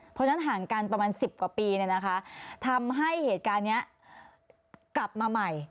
เพราะฉะนั้นห่างกันประมาณ๑๐กว่าปีทำให้เหตุการณ์นี้กลับมาใหม่